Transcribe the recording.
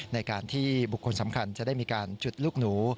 ในการที่บุคคลสำคัญจะได้มีการจุดลูกหนู